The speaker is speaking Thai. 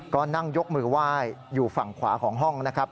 ก็นั่งยกมือไหว้อยู่ฝั่งขวาของห้องนะครับ